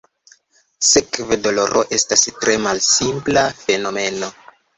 Sekve, doloro estas tre malsimpla fenomeno.